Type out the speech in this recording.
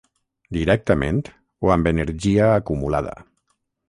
Directament o amb energia acumulada.